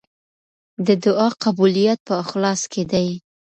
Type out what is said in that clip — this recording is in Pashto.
د دعا قبولیت په اخلاص کې دی.